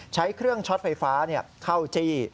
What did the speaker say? ใช้เครื่องช็อตไฟฟ้าเข้าจี้